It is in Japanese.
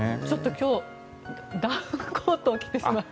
今日はダウンコートを着てしまって。